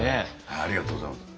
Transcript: ありがとうございます。